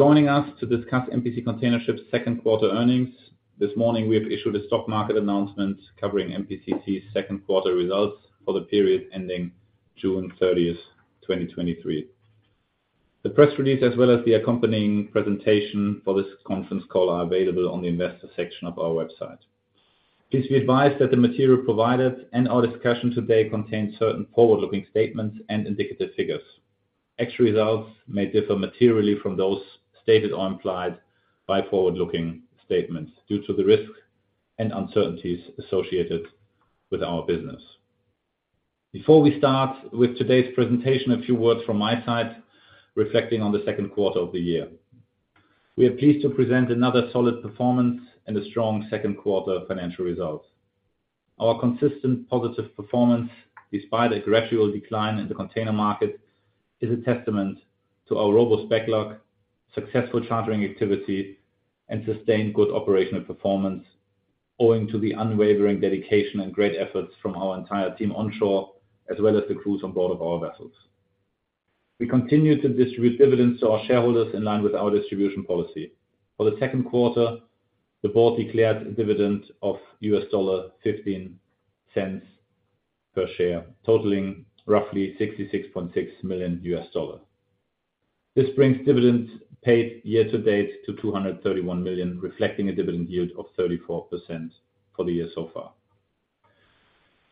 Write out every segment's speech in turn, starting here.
Joining us to discuss MPC Container Ships second quarter earnings. This morning, we have issued a stock market announcement covering MPCC's second quarter results for the period ending June 30th, 2023. The press release, as well as the accompanying presentation for this conference call, are available on the investor section of our website. Please be advised that the material provided and our discussion today contain certain forward-looking statements and indicative figures. Actual results may differ materially from those stated or implied by forward-looking statements due to the risks and uncertainties associated with our business. Before we start with today's presentation, a few words from my side, reflecting on the second quarter of the year. We are pleased to present another solid performance and a strong second quarter financial result. Our consistent positive performance, despite a gradual decline in the container market, is a testament to our robust backlog, successful chartering activity, and sustained good operational performance, owing to the unwavering dedication and great efforts from our entire team onshore, as well as the crews on board of our vessels. We continue to distribute dividends to our shareholders in line with our distribution policy. For the second quarter, the board declared a dividend of $0.15 per share, totaling roughly $66.6 million. This brings dividends paid year to date to $231 million, reflecting a dividend yield of 34% for the year so far.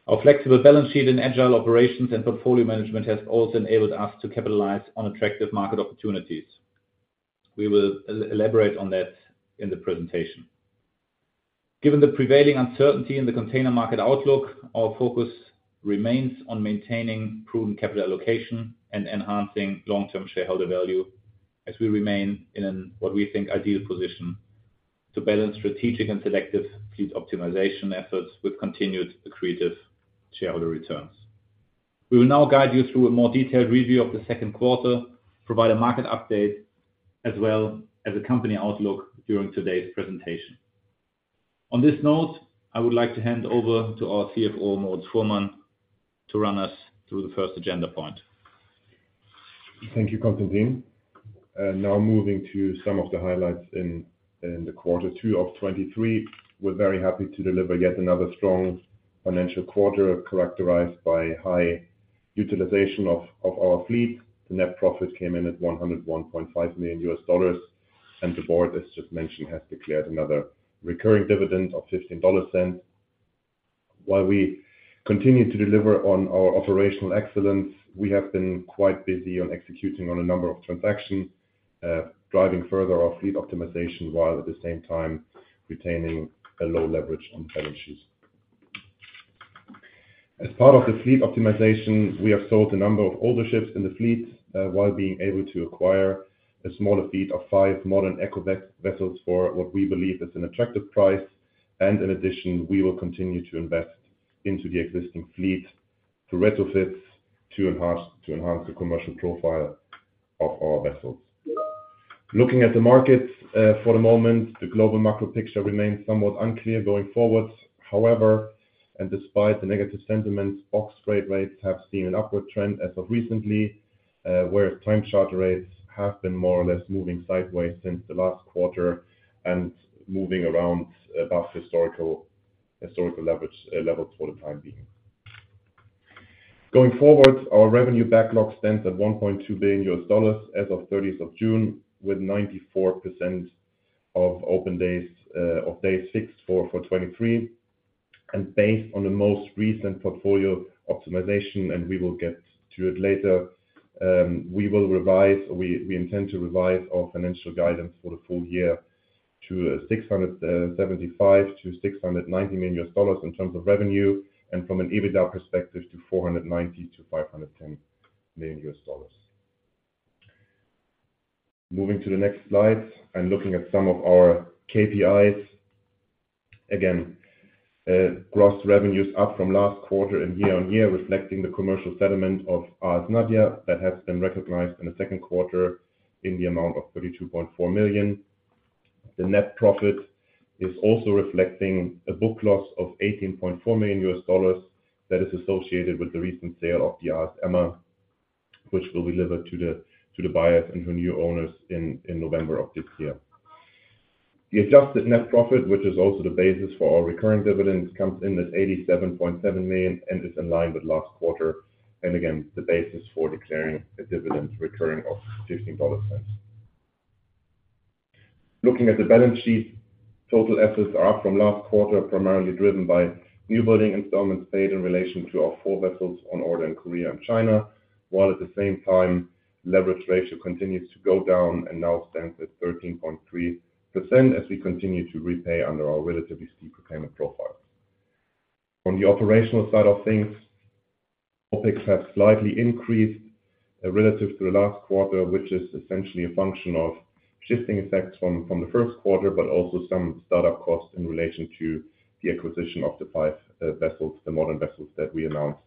Our flexible balance sheet and agile operations and portfolio management has also enabled us to capitalize on attractive market opportunities. We will elaborate on that in the presentation. Given the prevailing uncertainty in the container market outlook, our focus remains on maintaining proven capital allocation and enhancing long-term shareholder value, as we remain in an, what we think, ideal position to balance strategic and selective fleet optimization efforts with continued accretive shareholder returns. We will now guide you through a more detailed review of the second quarter, provide a market update, as well as a company outlook during today's presentation. On this note, I would like to hand over to our CFO, Moritz Fuhrmann, to run us through the first agenda point. Thank you, Constantin. Now moving to some of the highlights in Q2 of 2023. We're very happy to deliver yet another strong financial quarter, characterized by high utilization of, of our fleet. The net profit came in at $101.5 million, and the board, as just mentioned, has declared another recurring dividend of $0.15. While we continue to deliver on our operational excellence, we have been quite busy on executing on a number of transactions, driving further our fleet optimization, while at the same time retaining a low leverage on balance sheets. As part of the fleet optimization, we have sold a number of older ships in the fleet, while being able to acquire a smaller fleet of five modern eco-deck vessels for what we believe is an attractive price. In addition, we will continue to invest into the existing fleet through retrofits to enhance, to enhance the commercial profile of our vessels. Looking at the market, for the moment, the global macro picture remains somewhat unclear going forward. However, and despite the negative sentiments, box rate rates have seen an upward trend as of recently, where time charter rates have been more or less moving sideways since the last quarter and moving around above historical, historical leverage levels for the time being. Going forward, our revenue backlog stands at $1.2 billion as of 30th of June, with 94% of open days, of days fixed for 2023. Based on the most recent portfolio optimization, and we will get to it later, we intend to revise our financial guidance for the full year to $675 million-$690 million in terms of revenue, and from an EBITDA perspective, to $490 million-$510 million. Moving to the next slide, looking at some of our KPIs. Again, gross revenues up from last quarter and year-over-year, reflecting the commercial settlement of AS Nadia, that has been recognized in the second quarter in the amount of $32.4 million. The net profit is also reflecting a book loss of $18.4 million that is associated with the recent sale of the AS Emma, which will be delivered to the buyers and her new owners in November of this year. The adjusted net profit, which is also the basis for our recurring dividends, comes in at $87.7 million and is in line with last quarter, and again, the basis for declaring a dividend recurring of $0.15. Looking at the balance sheet, total assets are up from last quarter, primarily driven by newbuilding installment paid in relation to our four vessels on order in Korea and China, while at the same time, leverage ratio continues to go down and now stands at 13.3% as we continue to repay under our relatively steeper payment profile. On the operational side of things, topics have slightly increased relative to the last quarter, which is essentially a function of shifting effects from the first quarter, but also some startup costs in relation to the acquisition of the five vessels, the modern vessels that we announced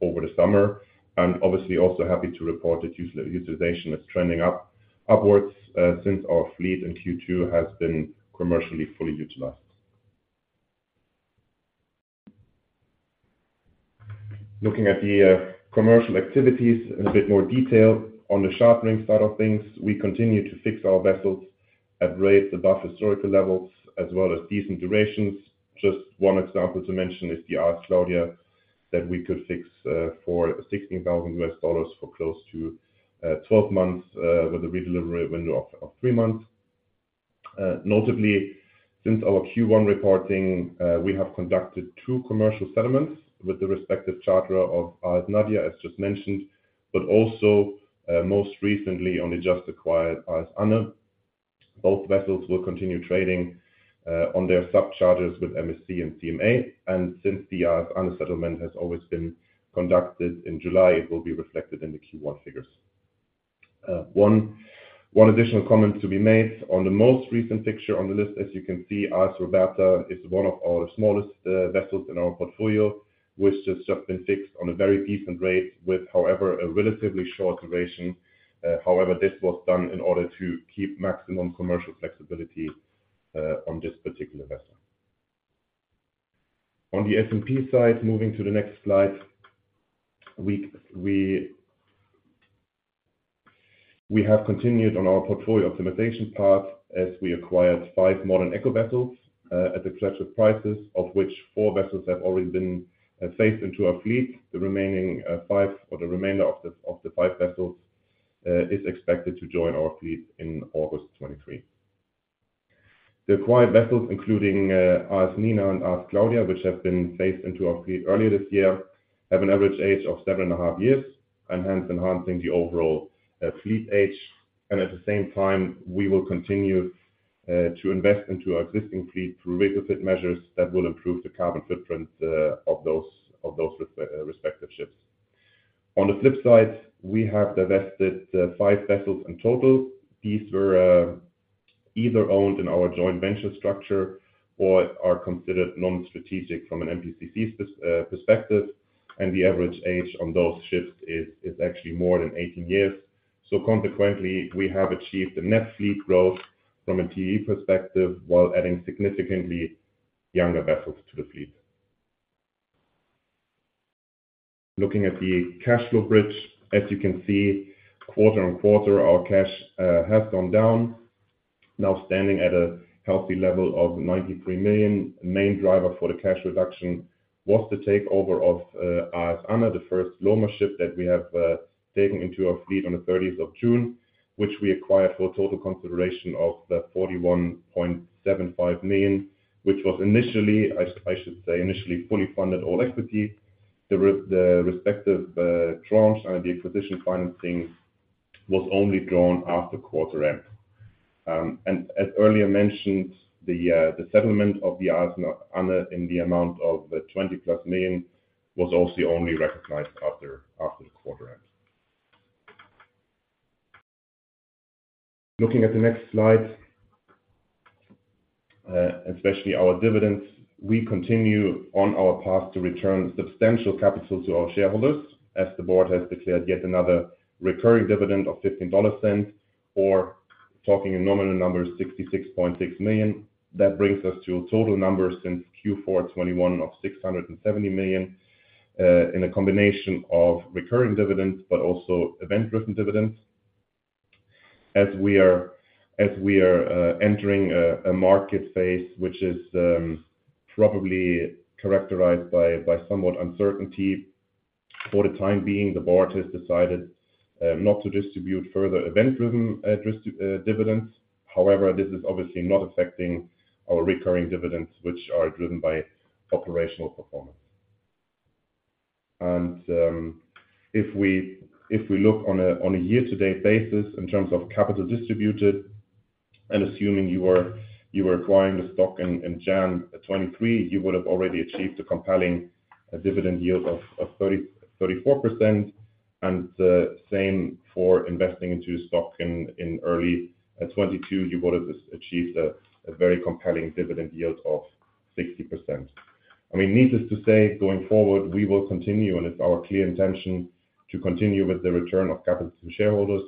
over the summer. Obviously, also happy to report that utilization is trending upwards since our fleet in Q2 has been commercially fully utilized. Looking at the commercial activities in a bit more detail. On the chartering side of things, we continue to fix our vessels at rates above historical levels, as well as decent durations. Just one example to mention is the AS Claudia, that we could fix for $16,000 for close to 12 months with a redelivery window of three months. Notably, since our Q1 reporting, we have conducted two commercial settlements with the respective charter of AS Nadia, as just mentioned, but also, most recently, on the just acquired AS Anne. Both vessels will continue trading on their sub charters with MSC and CMA. Since the AS Anne settlement has always been conducted in July, it will be reflected in the Q1 figures. One additional comment to be made. On the most recent picture on the list, as you can see, AS Roberta is one of our smallest vessels in our portfolio, which has just been fixed on a very decent rate with, however, a relatively short duration. However, this was done in order to keep maximum commercial flexibility on this particular vessel. On the S&P side, moving to the next slide, we have continued on our portfolio optimization path as we acquired five modern eco vessels at attractive prices, of which four vessels have already been phased into our fleet. The remaining five or the remainder of the five vessels is expected to join our fleet in August 2023. The acquired vessels, including AS Nina and AS Claudia, which have been phased into our fleet earlier this year, have an average age of 7.5 years, and hence enhancing the overall fleet age. At the same time, we will continue to invest into our existing fleet through retrofit measures that will improve the carbon footprint of those, of those respective ships. On the flip side, we have divested five vessels in total. These were either owned in our joint venture structure or are considered non-strategic from an MPCC perspective, and the average age on those ships is actually more than 18 years. Consequently, we have achieved a net fleet growth from a TEU perspective, while adding significantly younger vessels to the fleet. Looking at the cash flow bridge, as you can see, quarter-on-quarter, our cash has gone down, now standing at a healthy level of $93 million. Main driver for the cash reduction was the takeover of AS Anne, the first Lomar ship that we have taken into our fleet on the 30th of June, which we acquired for a total consideration of $41.75 million, which was initially, I should say, initially fully funded all equity. The respective tranche and the acquisition financing was only drawn after quarter end. As earlier mentioned, the settlement of the AS Anne in the amount of $20+ million was also only recognized after the quarter end. Looking at the next slide, especially our dividends, we continue on our path to return substantial capital to our shareholders, as the board has declared yet another recurring dividend of $0.15, or talking in nominal numbers, $66.6 million. That brings us to a total number since Q4 2021 of $670 million in a combination of recurring dividends, but also event-driven dividends. As we are, as we are entering a market phase, which is probably characterized by somewhat uncertainty for the time being, the board has decided not to distribute further event-driven dividends. However, this is obviously not affecting our recurring dividends, which are driven by operational performance. If we, if we look on a year-to-date basis in terms of capital distributed, and assuming you were, you were acquiring the stock in January 2023, you would have already achieved a compelling dividend yield of 30%-34%, and the same for investing into stock in early 2022, you would have achieved a very compelling dividend yield of 60%. I mean, needless to say, going forward, we will continue, and it's our clear intention to continue with the return of capital to shareholders.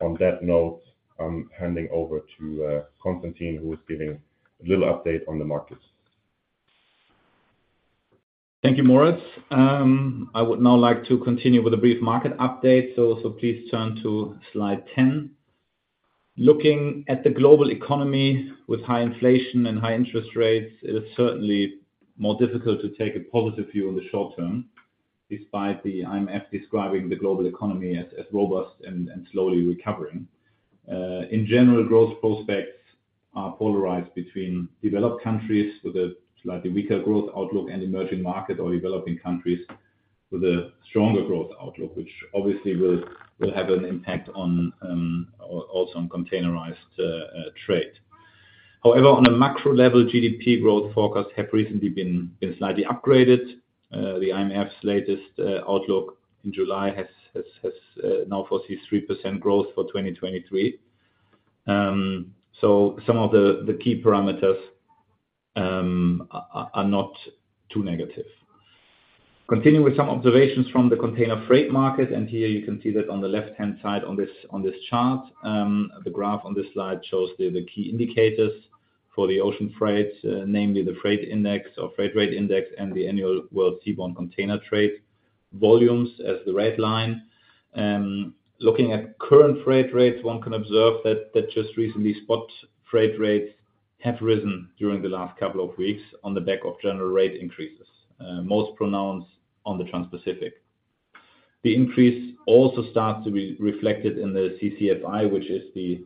On that note, I'm handing over to Constantin, who is giving a little update on the markets. Thank you, Moritz. I would now like to continue with a brief market update, so please turn to slide 10. Looking at the global economy with high inflation and high interest rates, it is certainly more difficult to take a positive view in the short term, despite the IMF describing the global economy as robust and slowly recovering. In general, growth prospects are polarized between developed countries with a slightly weaker growth outlook, and emerging market or developing countries with a stronger growth outlook, which obviously will have an impact on also on containerized trade. However, on a macro level, GDP growth forecasts have recently been slightly upgraded. The IMF's latest outlook in July has now foresee 3% growth for 2023. Some of the key parameters are not too negative. Continue with some observations from the container freight market. Here you can see that on the left-hand side on this, on this chart, the graph on this slide shows the key indicators for the ocean freight, namely the freight index or freight rate index and the annual world seaborne container trade volumes as the red line. Looking at current freight rates, one can observe that just recently, spot freight rates have risen during the last couple of weeks on the back of general rate increases, most pronounced on the Transpacific. The increase also starts to be reflected in the CCFI, which is the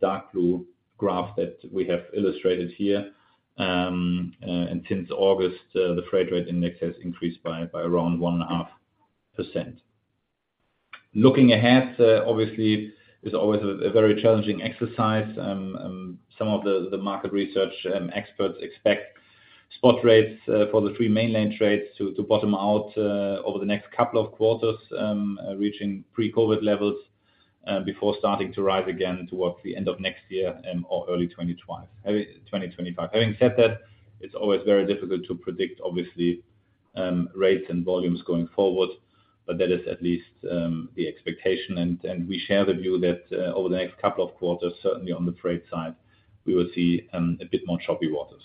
dark blue graph that we have illustrated here. Since August, the freight rate index has increased by, by around 1.5%. Looking ahead, obviously, is always a very challenging exercise. Some of the market research, experts expect spot rates, for the three main lane trades to bottom out, over the next couple of quarters, reaching pre-COVID levels, before starting to rise again towards the end of next year, or early 2025. Having said that, it's always very difficult to predict, obviously, rates and volumes going forward, but that is at least, the expectation. We share the view that, over the next couple of quarters, certainly on the freight side, we will see, a bit more choppy waters.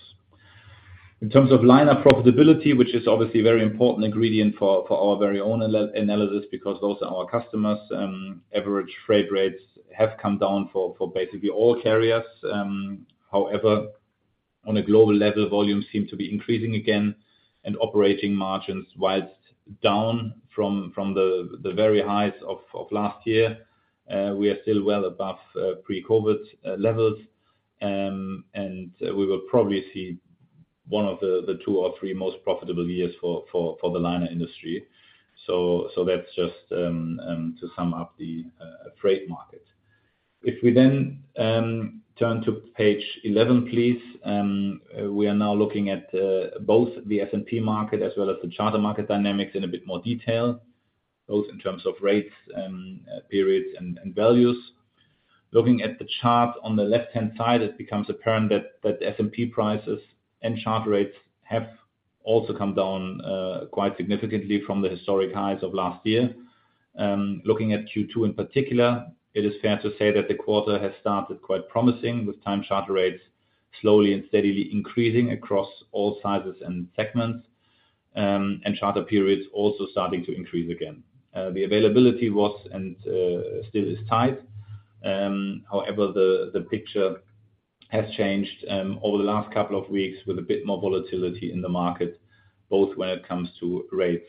In terms of liner profitability, which is obviously a very important ingredient for, for our very own analysis, because those are our customers, average freight rates have come down for, for basically all carriers. On a global level, volumes seem to be increasing again, and operating margins, whilst down from, from the, the very highs of, of last year, we are still well above pre-COVID levels. We will probably see one of the two or three most profitable years for, for, for the liner industry. That's just to sum up the freight market. If we then turn to page 11, please. We are now looking at both the S&P market as well as the charter market dynamics in a bit more detail, both in terms of rates, periods, and values. Looking at the chart on the left-hand side, it becomes apparent that S&P prices and charter rates have also come down, quite significantly from the historic highs of last year. Looking at Q2 in particular, it is fair to say that the quarter has started quite promising, with time charter rates slowly and steadily increasing across all sizes and segments, and charter periods also starting to increase again. The availability was, and still is tight. However, the picture has changed, over the last couple of weeks with a bit more volatility in the market, both when it comes to rates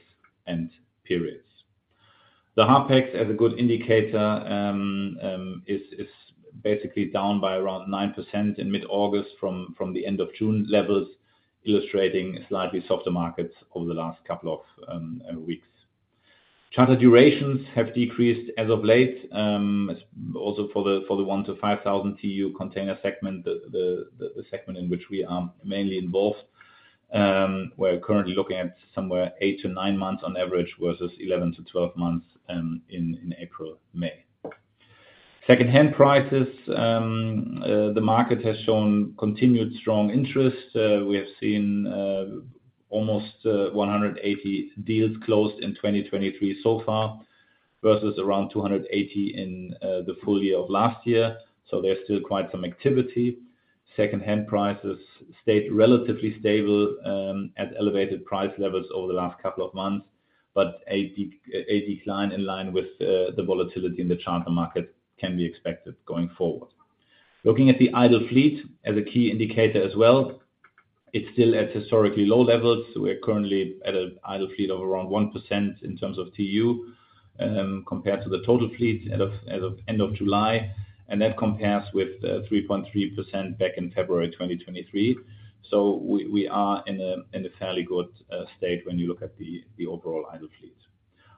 and periods. The HARPEX as a good indicator, is basically down by around 9% in mid-August from the end of June levels, illustrating a slightly softer market over the last couple of weeks. Charter durations have decreased as of late, as also for the 1,000-5,000 TEU container segment, the segment in which we are mainly involved. We're currently looking at somewhere eight to nine months on average, versus 11-12 months in April, May. Second-hand prices, the market has shown continued strong interest. We have seen almost 180 deals closed in 2023 so far, versus around 280 in the full year of last year. There's still quite some activity. Secondhand prices stayed relatively stable at elevated price levels over the last couple of months, but a decline in line with the volatility in the charter market can be expected going forward. Looking at the idle fleet as a key indicator as well, it's still at historically low levels. We are currently at an idle fleet of around 1% in terms of TEU, compared to the total fleet at of, as of end of July. That compares with 3.3% back in February 2023. We are in a fairly good state when you look at the overall idle fleet.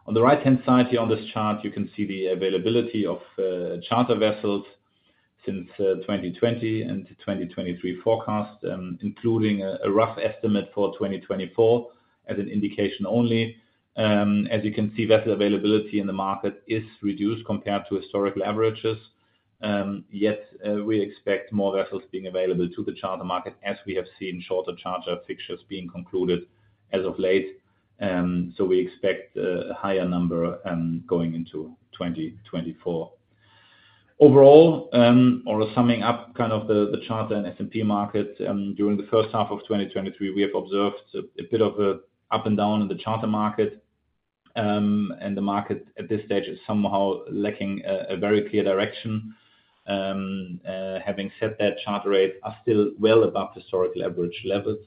On the right-hand side here on this chart, you can see the availability of charter vessels since 2020 and to 2023 forecast, including a rough estimate for 2024 as an indication only. As you can see, vessel availability in the market is reduced compared to historical averages. Yet, we expect more vessels being available to the charter market, as we have seen shorter charter fixtures being concluded as of late. We expect a higher number going into 2024. Overall, or summing up kind of the, the charter and S&P market, during the first half of 2023, we have observed a bit of a up and down in the charter market. The market at this stage is somehow lacking a very clear direction. Having said that, charter rates are still well above historic average levels,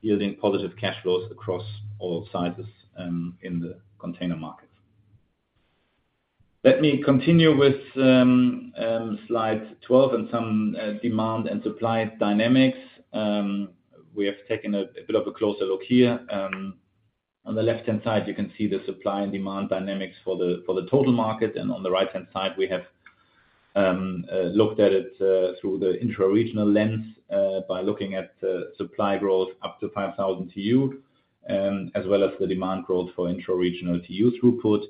yielding positive cash flows across all sizes in the container market. Let me continue with slide 12 and some demand and supply dynamics. We have taken a bit of a closer look here. On the left-hand side, you can see the supply and demand dynamics for the, for the total market, and on the right-hand side, we have looked at it through the intra-regional lens, by looking at the supply growth up to 5,000 TEU, as well as the demand growth for intra-regional TEU throughput.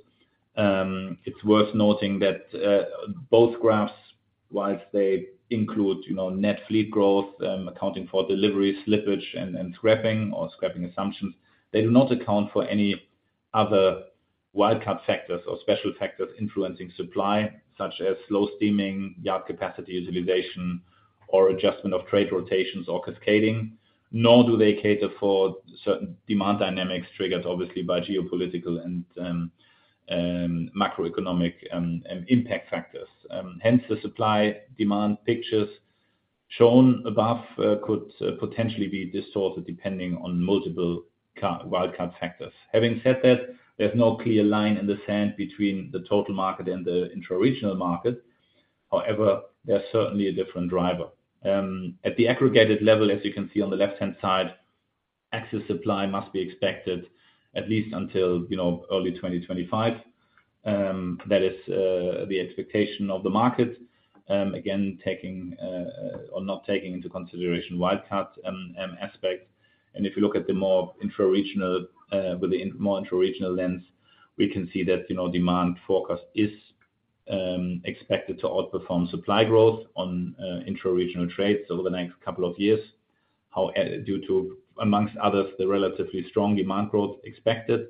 It's worth noting that both graphs, whilst they include, you know, net fleet growth, accounting for delivery, slippage, and, and scrapping or scrapping assumptions, they do not account for any other wild card factors or special factors influencing supply, such as slow steaming, yard capacity utilization, or adjustment of trade rotations or cascading. Nor do they cater for certain demand dynamics, triggered obviously by geopolitical and macroeconomic impact factors. Hence, the supply demand pictures shown above could potentially be distorted depending on multiple wild card factors. Having said that, there's no clear line in the sand between the total market and the intra-regional market. However, there's certainly a different driver. At the aggregated level, as you can see on the left-hand side, excess supply must be expected at least until, you know, early 2025. That is the expectation of the market. Again, taking or not taking into consideration wild card aspect. If you look at the more intra-regional with the more intra-regional lens, we can see that, you know, demand forecast is expected to outperform supply growth on intra-regional trades over the next couple of years. Due to, amongst others, the relatively strong demand growth expected.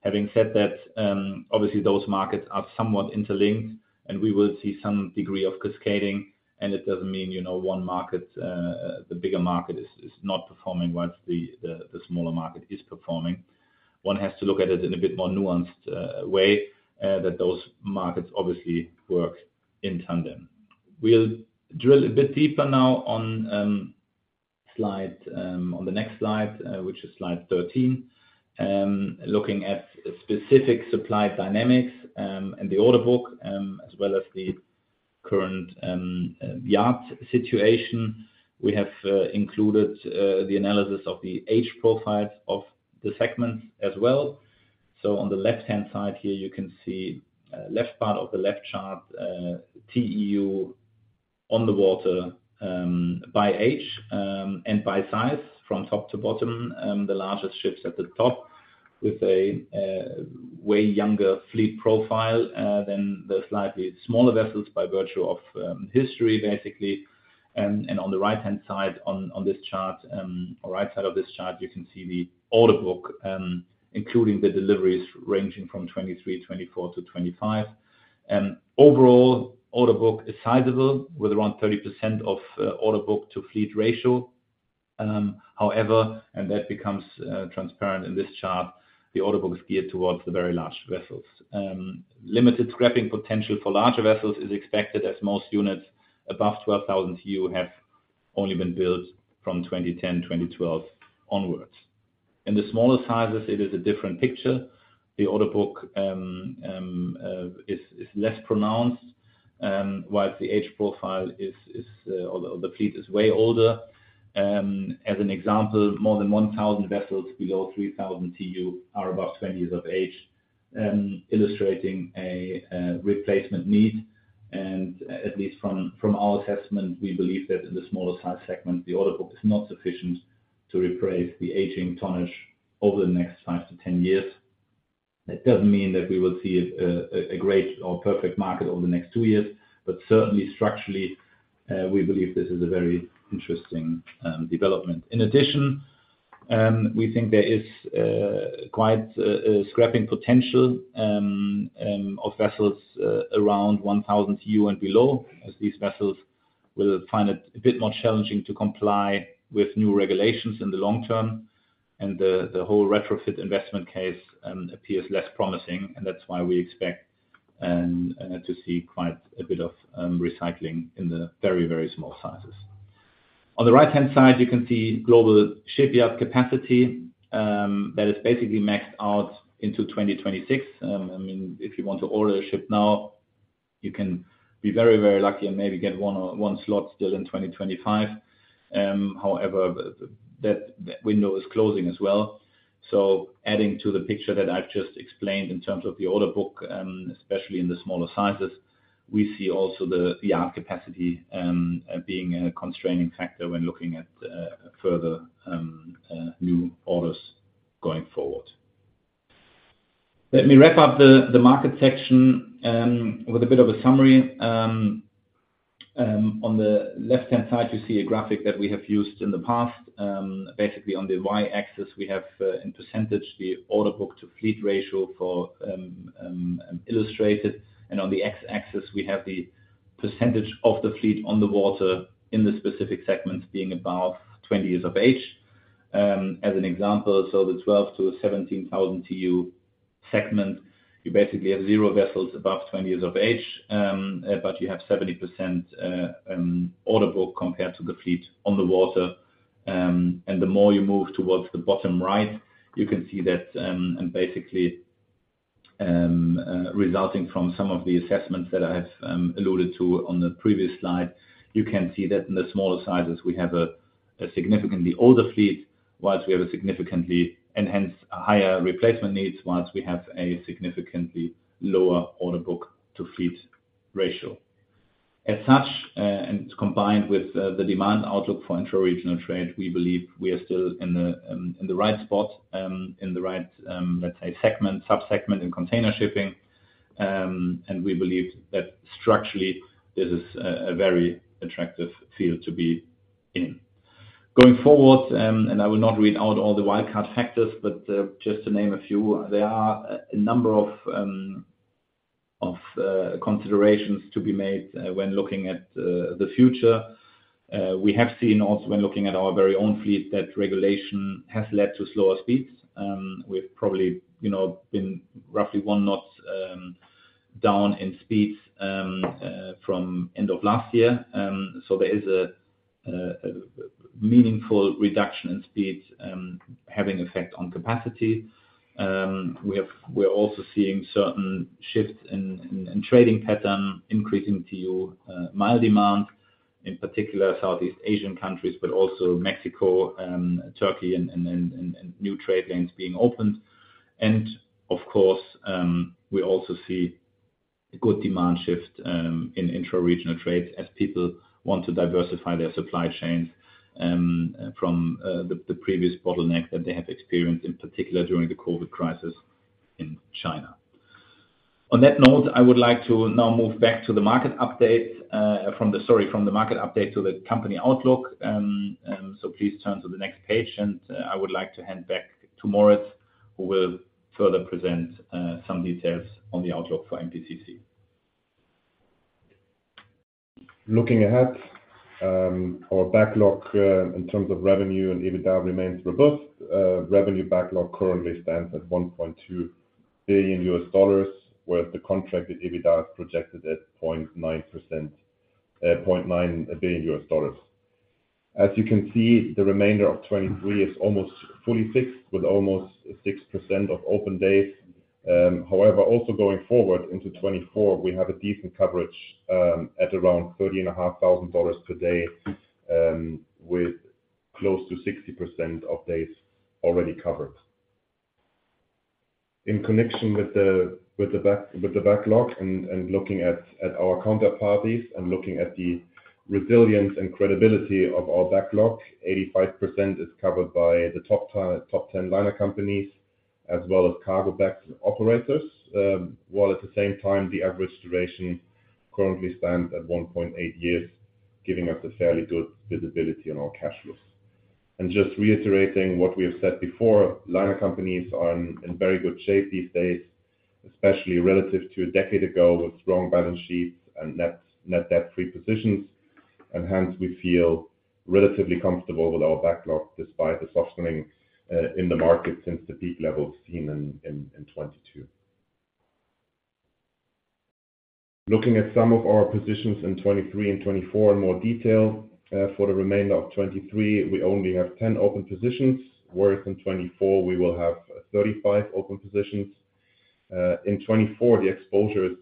Having said that, obviously, those markets are somewhat interlinked, and we will see some degree of cascading, and it doesn't mean, you know, one market, the bigger market is, is not performing once the, the, the smaller market is performing. One has to look at it in a bit more nuanced way, that those markets obviously work in tandem. We'll drill a bit deeper now on the next slide, which is slide 13. Looking at specific supply dynamics, and the order book, as well as the current yard situation. We have included the analysis of the age profile of the segments as well. On the left-hand side here, you can see, left part of the left chart, TEU on the water, by age, and by size from top to bottom. The largest ships at the top with a way younger fleet profile than the slightly smaller vessels by virtue of history, basically. On the right-hand side, on, on this chart, or right side of this chart, you can see the order book, including the deliveries ranging from 2023, 2024 to 2025. Overall, order book is sizable, with around 30% of orderbook-to-fleet ratio. However, and that becomes transparent in this chart, the order book is geared towards the very large vessels. Limited scrapping potential for larger vessels is expected as most units above 12,000 TEU have only been built from 2010, 2012 onwards. In the smaller sizes, it is a different picture. The order book is less pronounced, whilst the age profile is, or the fleet is way older. As an example, more than 1,000 vessels below 3,000 TEU are about 20 years of age, illustrating a replacement need. At least from, from our assessment, we believe that in the smaller size segment, the order book is not sufficient to replace the aging tonnage over the next five to 10 years. That doesn't mean that we will see a great or perfect market over the next two years, but certainly structurally, we believe this is a very interesting development. In addition, we think there is quite a scrapping potential of vessels around 1,000 TEU and below, as these vessels will find it a bit more challenging to comply with new regulations in the long term. The whole retrofit investment case appears less promising, and that's why we expect to see quite a bit of recycling in the very, very small sizes. On the right-hand side, you can see global shipyard capacity that is basically maxed out into 2026. I mean, if you want to order a ship now, you can be very, very lucky and maybe get one or one slot still in 2025. However, that window is closing as well. Adding to the picture that I've just explained in terms of the order book, especially in the smaller sizes, we see also the, the yard capacity, being a constraining factor when looking at, further, new orders going forward. Let me wrap up the, the market section, with a bit of a summary. On the left-hand side, you see a graphic that we have used in the past. Basically, on the Y-axis, we have, in %, the orderbook-to-fleet ratio for, illustrated. And on the X-axis, we have the % of the fleet on the water in the specific segments being above 20 years of age. As an example, the 12,000-17,000 TEU segment, you basically have zero vessels above 20 years of age. You have 70% order book compared to the fleet on the water. The more you move towards the bottom right, you can see that. Basically, resulting from some of the assessments that I have alluded to on the previous slide, you can see that in the smaller sizes, we have a significantly older fleet, whilst we have a significantly enhance higher replacement needs, whilst we have a significantly lower orderbook-to-fleet ratio. As such, combined with the demand outlook for intra-regional trade, we believe we are still in the right spot, in the right, let's say, segment, sub-segment in container shipping. We believe that structurally, this is a very attractive field to be in. Going forward, I will not read out all the wild card factors, but just to name a few, there are a number of considerations to be made when looking at the future. We have seen also when looking at our very own fleet, that regulation has led to slower speeds. We've probably, you know, been roughly 1 knot down in speeds from end of last year. There is a meaningful reduction in speeds, having effect on capacity. We have-- we're also seeing certain shifts in trading pattern, increasing to mild demand, in particular Southeast Asian countries, but also Mexico, Turkey, and new trade lanes being opened. Of course, we also see a good demand shift in intra-regional trade as people want to diversify their supply chain from the, the previous bottleneck that they have experienced, in particular during the COVID crisis in China. On that note, I would like to now move back to the market update, sorry, from the market update to the company outlook. Please turn to the next page, and I would like to hand back to Moritz, who will further present some details on the outlook for MPCC. Looking ahead, our backlog in terms of revenue and EBITDA remains robust. Revenue backlog currently stands at $1.2 billion, with the contracted EBITDA projected at 0.9%, $0.9 billion. As you can see, the remainder of 2023 is almost fully fixed, with almost 6% of open days. However, also going forward into 2024, we have a decent coverage at around $30,500 per day, with close to 60% of days already covered. In connection with the backlog, and looking at our counterparties, and looking at the resilience and credibility of our backlog, 85% is covered by the top 10 liner companies, as well as cargo box operators. While at the same time, the average duration currently stands at 1.8 years, giving us a fairly good visibility on our cash flows. Just reiterating what we have said before, liner companies are in, in very good shape these days, especially relative to a decade ago, with strong balance sheets and net, net debt free positions. Hence, we feel relatively comfortable with our backlog despite the softening in the market since the peak levels seen in, in, in 2022. Looking at some of our positions in 2023 and 2024 in more detail. For the remainder of 2023, we only have 10 open positions, whereas in 2024 we will have 35 open positions. In 2024, the exposure is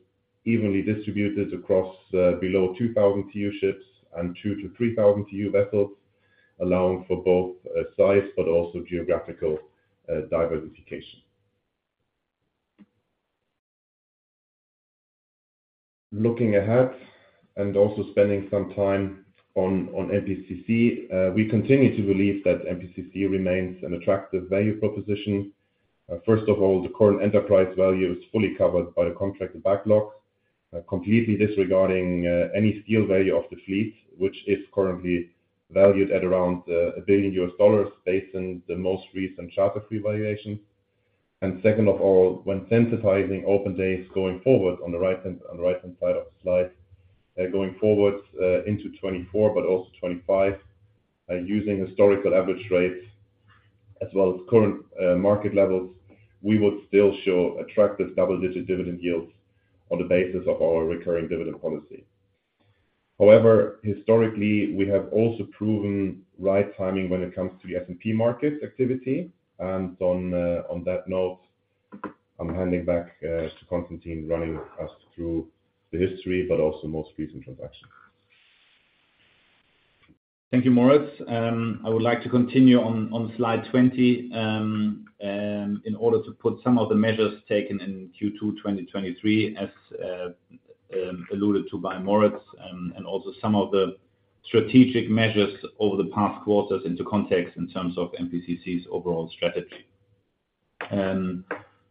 evenly distributed across below 2,000 TEU ships and 2,000-3,000 TEU vessels, allowing for both size but also geographical diversification. Looking ahead, also spending some time on, on MPCC, we continue to believe that MPCC remains an attractive value proposition. First of all, the current enterprise value is fully covered by the contracted backlog, completely disregarding any steel value of the fleet, which is currently valued at around $1 billion, based on the most recent charter-free valuation. Second of all, when sensitizing open days going forward, on the right hand, on the right-hand side of the slide, going forward, into 2024, but also 2025, using historical average rates as well as current market levels, we would still show attractive double-digit dividend yields on the basis of our recurring dividend policy. However, historically, we have also proven right timing when it comes to the S&P market activity. On that note, I'm handing back to Constantin, running us through the history, but also most recent transactions. Thank you, Moritz. I would like to continue on, on slide 20, in order to put some of the measures taken in Q2 2023, as alluded to by Moritz, and also some of the strategic measures over the past quarters into context in terms of MPCC's overall strategy.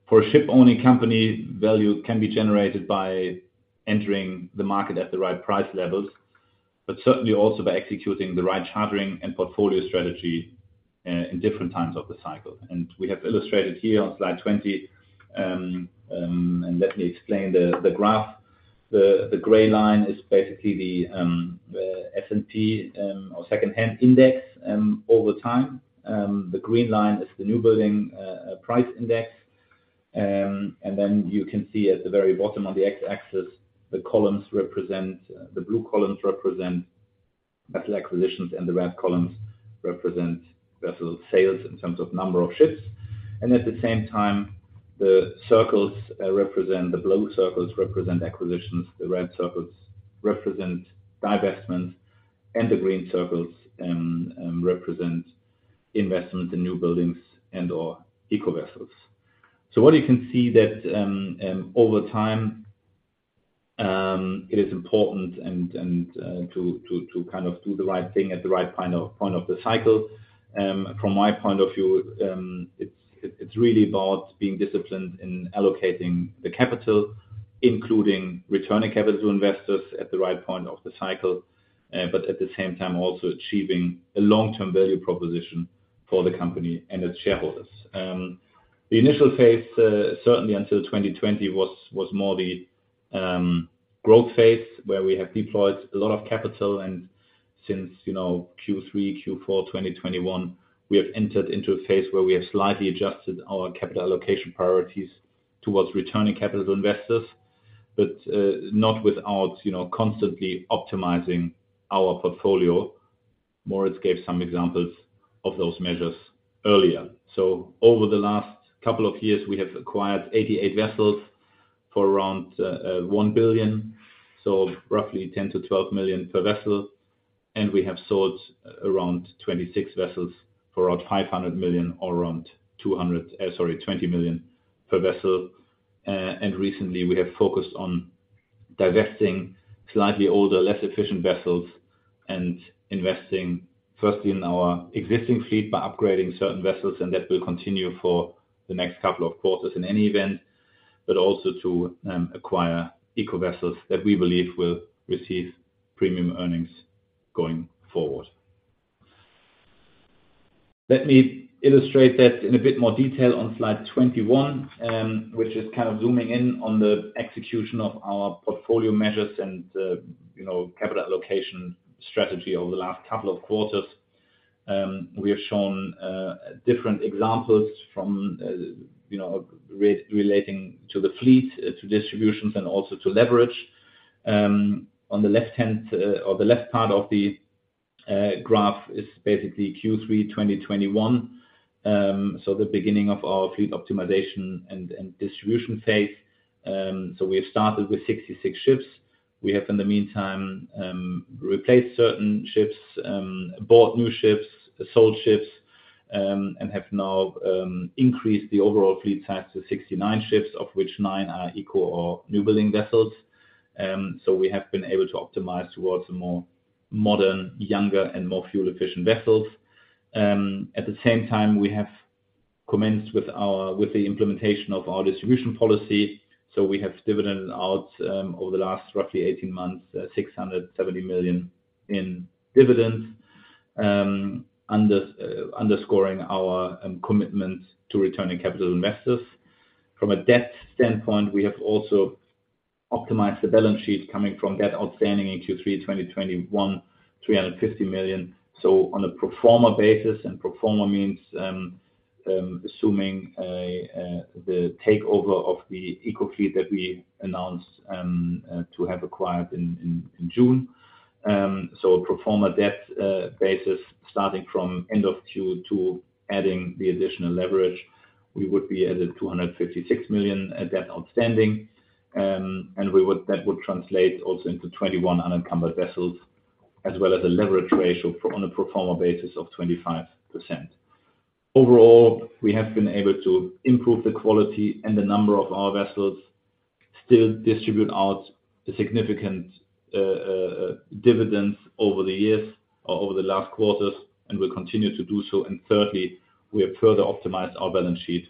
For a ship-owning company, value can be generated by entering the market at the right price levels, certainly also by executing the right chartering and portfolio strategy in different times of the cycle. We have illustrated here on slide 20, and let me explain the graph. The gray line is basically the S&P, or secondhand index, over time. The green line is the newbuilding price index. Then you can see at the very bottom on the x-axis, the columns represent. The blue columns represent vessel acquisitions, and the red columns represent vessel sales in terms of number of ships. At the same time, the circles represent. The blue circles represent acquisitions, the red circles represent divestment, and the green circles represent investment in new buildings and, or eco vessels. What you can see that, over time, it is important and to kind of do the right thing at the right point of the cycle. From my point of view, it's, it's really about being disciplined in allocating the capital, including returning capital to investors at the right point of the cycle, but at the same time, also achieving a long-term value proposition for the company and its shareholders. The initial phase, certainly until 2020, was, was more the growth phase, where we have deployed a lot of capital, and since, you know, Q3, Q4, 2021, we have entered into a phase where we have slightly adjusted our capital allocation priorities towards returning capital to investors, but, not without, you know, constantly optimizing our portfolio. Moritz gave some examples of those measures earlier. Over the last couple of years, we have acquired 88 vessels for around $1 billion, so roughly $10 million-$12 million per vessel, and we have sold around 26 vessels for around $500 million, or around $20 million per vessel. Recently, we have focused on divesting slightly older, less efficient vessels, and investing firstly in our existing fleet by upgrading certain vessels, and that will continue for the next couple of quarters in any event, but also to acquire eco vessels that we believe will receive premium earnings going forward. Let me illustrate that in a bit more detail on slide 21, which is kind of zooming in on the execution of our portfolio measures and, you know, capital allocation strategy over the last couple of quarters. We have shown, different examples from, you know, relating to the fleet, to distributions, and also to leverage. On the left hand, or the left part of the graph is basically Q3 2021. The beginning of our fleet optimization and, and distribution phase. We have started with 66 ships. We have, in the meantime, replaced certain ships, bought new ships, sold ships, and have now increased the overall fleet size to 69 ships, of which nine are eco or newbuilding vessels. We have been able to optimize towards a more modern, younger, and more fuel-efficient vessels. At the same time, we have commenced with our-- with the implementation of our distribution policy, so we have dividended out over the last roughly 18 months, $670 million in dividends, underscoring our commitment to returning capital to investors. From a debt standpoint, we have also optimized the balance sheet coming from debt outstanding in Q3 2021, $350 million. On a pro forma basis, and pro forma means assuming the takeover of the eco fleet that we announced to have acquired in, in, in June. A pro forma debt basis, starting from end of Q2, adding the additional leverage, we would be at a $256 million at debt outstanding. We would-- that would translate also into 21 unencumbered vessels, as well as a leverage ratio pro- on a pro forma basis of 25%. Overall, we have been able to improve the quality and the number of our vessels, still distribute out the significant dividends over the years or over the last quarters, and will continue to do so. Thirdly, we have further optimized our balance sheet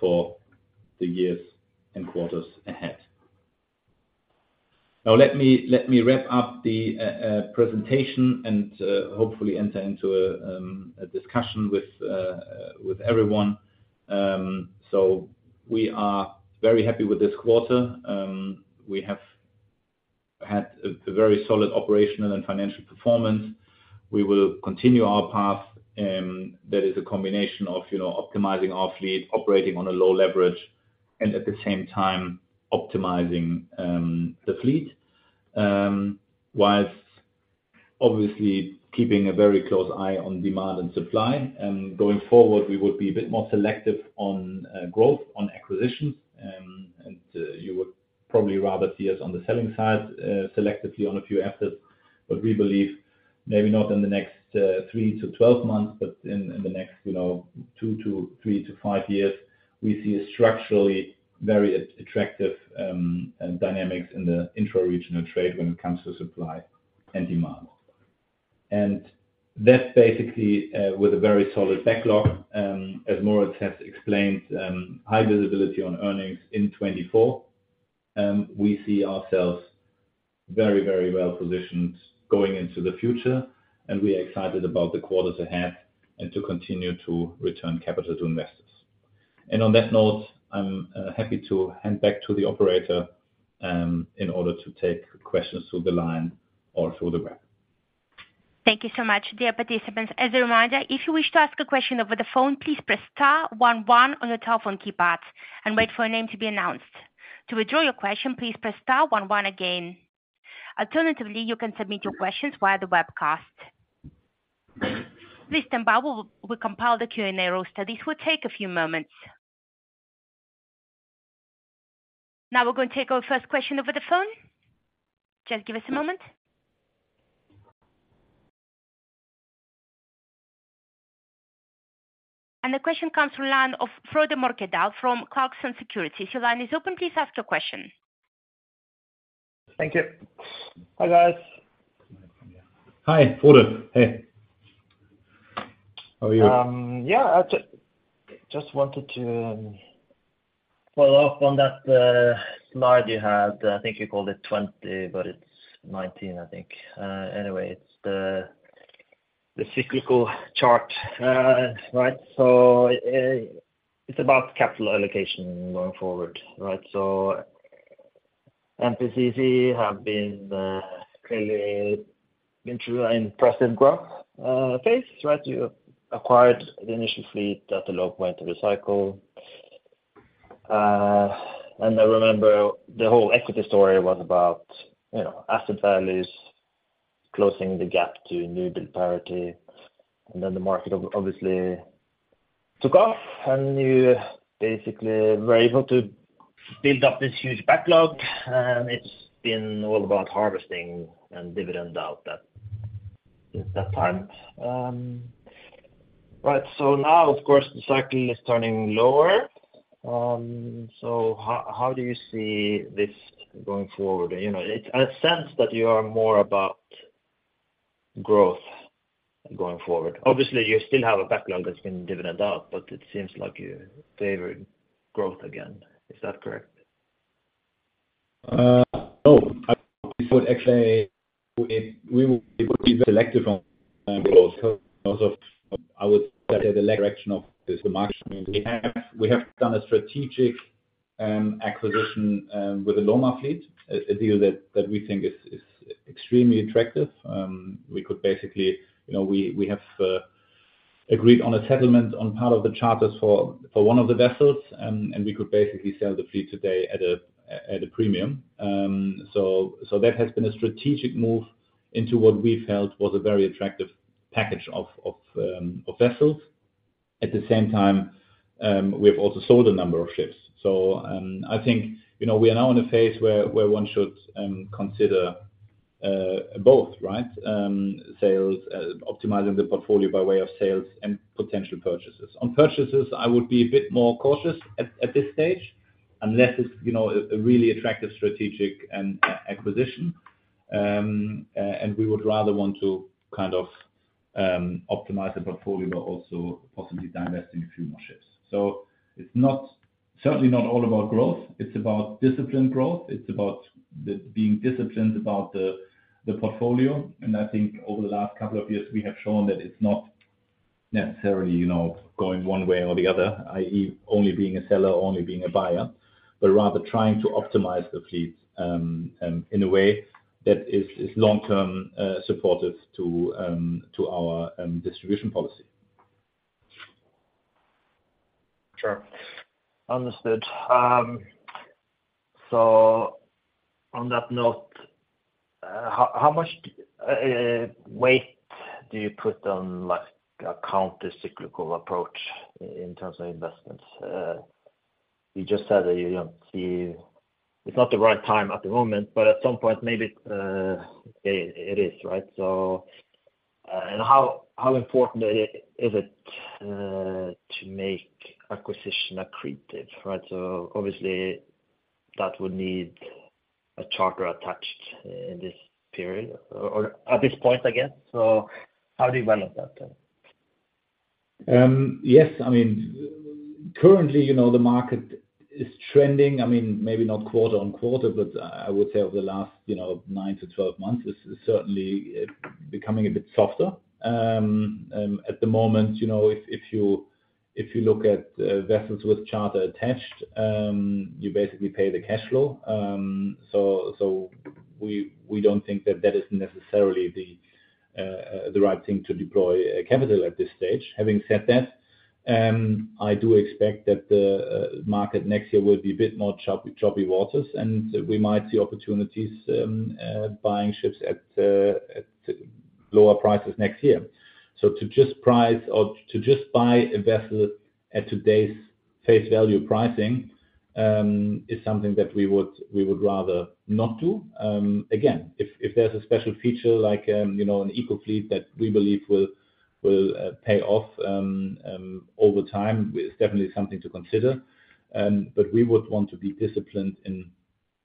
for the years and quarters ahead. Let me, let me wrap up the presentation and hopefully enter into a discussion with everyone. We are very happy with this quarter. We have had a very solid operational and financial performance. We will continue our path, that is a combination of, you know, optimizing our fleet, operating on a low leverage, and at the same time, optimizing the fleet, whilst obviously keeping a very close eye on demand and supply. Going forward, we would be a bit more selective on growth, on acquisitions. You would probably rather see us on the selling side, selectively on a few assets. We believe, maybe not in the next three to 12 months, but in the next, you know, two to three to five years, we see a structurally very attractive dynamics in the intra-regional trade when it comes to supply and demand. That basically, with a very solid backlog, as Moritz has explained, high visibility on earnings in 2024, we see ourselves very, very well positioned going into the future, and we are excited about the quarters ahead and to continue to return capital to investors. On that note, I'm happy to hand back to the operator, in order to take questions through the line or through the web. Thank you so much, dear participants. As a reminder, if you wish to ask a question over the phone, please press star one one on your telephone keypad and wait for your name to be announced. To withdraw your question, please press star one one again. Alternatively, you can submit your questions via the webcast. Please stand by, we'll, we'll compile the Q&A roster. This will take a few moments. Now, we're going to take our first question over the phone. Just give us a moment. The question comes from line of Frode Mørkedal from Clarksons Securities. Your line is open, please ask your question. Thank you. Hi, guys. Hi, Frode. Hey, how are you? Yeah, I just wanted to follow up on that slide you had. I think you called it 20, but it's 19, I think. Anyway, it's the cyclical chart. Right, it's about capital allocation going forward, right? MPCC have been clearly been through an impressive growth phase, right? You acquired the initial fleet that Lomar went to recycle. I remember the whole equity story was about, you know, asset values closing the gap to new build parity, and then the market obviously took off, and you basically were able to build up this huge backlog, and it's been all about harvesting and dividend out that, since that time. Right, now, of course, the cycle is turning lower. How, how do you see this going forward? You know, it, I sense that you are more about growth going forward. Obviously, you still have a backlog that's been divvied out, but it seems like you favored growth again. Is that correct? Oh, I would actually, it, we would be selective on growth. I would say the direction of the market. We have, we have done a strategic acquisition with the Lomar fleet, a, a deal that, that we think is, is extremely attractive. We could basically, you know, we, we have agreed on a settlement on part of the charters for, for one of the vessels, and, and we could basically sell the fleet today at a, at, at a premium. So that has been a strategic move into what we felt was a very attractive package of, of vessels. At the same time, we have also sold a number of ships. I think, you know, we are now in a phase where, where one should consider both, right? Sales, optimizing the portfolio by way of sales and potential purchases. On purchases, I would be a bit more cautious at this stage, unless it's, you know, a really attractive strategic acquisition. We would rather want to kind of optimize the portfolio, but also possibly divesting a few more ships. It's not, certainly not all about growth, it's about disciplined growth. It's about the being disciplined about the portfolio. I think over the last couple of years, we have shown that it's not necessarily, you know, going one way or the other, i.e., only being a seller, only being a buyer, but rather trying to optimize the fleet in a way that is long-term supportive to our distribution policy. Sure. Understood. On that note, how, how much weight do you put on, like, a countercyclical approach in terms of investments? You just said that you don't see, it's not the right time at the moment, but at some point, maybe, it, it is, right? And how, how important is, is it to make acquisition accretive, right? Obviously, that would need a charter attached in this period or at this point, I guess. How do you balance that then? Yes. I mean, currently, you know, the market is trending. I mean, maybe not quarter on quarter, but I would say over the last, you know, nine to 12 months, is, is certainly becoming a bit softer. At the moment, you know, if, if you, if you look at vessels with charter attached, you basically pay the cash flow. We, we don't think that that is necessarily the right thing to deploy capital at this stage. Having said that, I do expect that the market next year will be a bit more choppy, choppy waters, and we might see opportunities buying ships at lower prices next year. To just price or to just buy a vessel at today's face value pricing is something that we would, we would rather not do. Again, if, if there's a special feature like, you know, an eco-fleet that we believe will, will pay off over time, it's definitely something to consider. But we would want to be disciplined in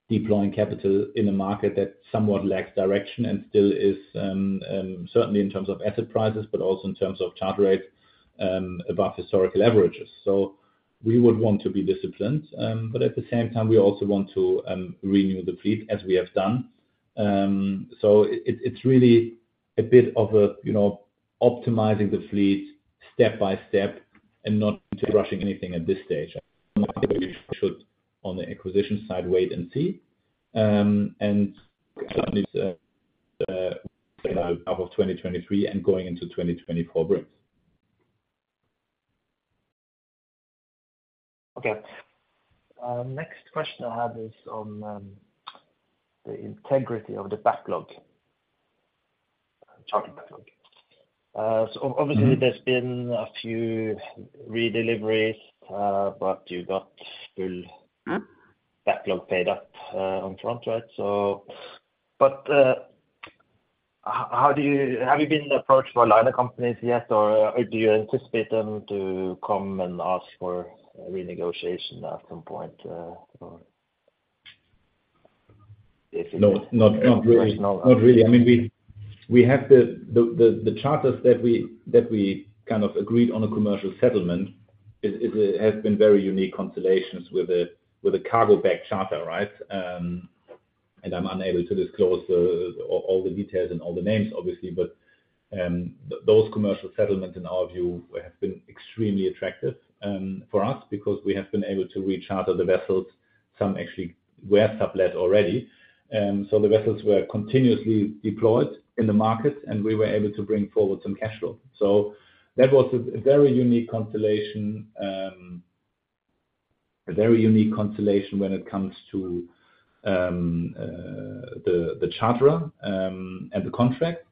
deploying capital in a market that somewhat lacks direction and still is certainly in terms of asset prices, but also in terms of charter rates above historical averages. We would want to be disciplined, but at the same time, we also want to renew the fleet as we have done. It, it's really a bit of a, you know, optimizing the fleet step by step and not rushing anything at this stage. We should, on the acquisition side, wait and see. Certainly the, the out of 2023 and going into 2024 brings. Okay. Next question I have is on the integrity of the backlog, charter backlog. Obviously- Mm-hmm. There's been a few redeliveries, but you got full- Mm-hmm. backlog paid up on front, right? How, how do you, have you been approached by liner companies yet, or, or do you anticipate them to come and ask for a renegotiation at some point, or? No, not, not really. Not really. I mean, we, we have the, the, the, the charters that we, that we kind of agreed on a commercial settlement is, is, has been very unique constellations with a, with a cargo back charter, right? I'm unable to disclose the, all, all the details and all the names, obviously. Those commercial settlements, in our view, have been extremely attractive, for us, because we have been able to recharter the vessels. Some actually were sublet already. The vessels were continuously deployed in the market, and we were able to bring forward some cash flow. That was a, a very unique constellation, a very unique constellation when it comes to the charter and the contract.